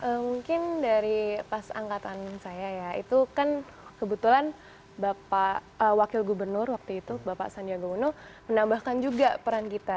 mungkin dari pas angkatan saya ya itu kan kebetulan bapak wakil gubernur waktu itu bapak sandiaga uno menambahkan juga peran kita